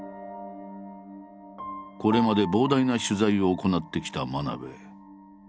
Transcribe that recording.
これまで膨大な取材を行ってきた真鍋。